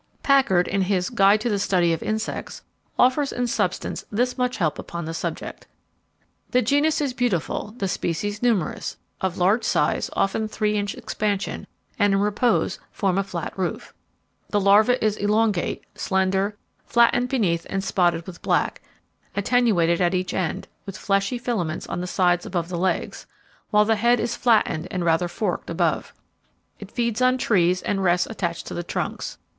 Packard, in his "Guide to the Study of Insects", offers in substance this much help upon the subject: "The genus is beautiful, the species numerous, of large size, often three inch expansion, and in repose form a flat roof. The larva is elongate, slender, flattened beneath and spotted with black, attenuated at each end, with fleshy filaments on the sides above the legs, while the head is flattened and rather forked above. It feeds on trees and rests attached to the trunks.